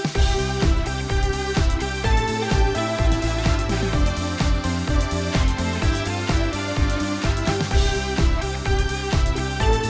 สามารถรับชมได้ทุกวัย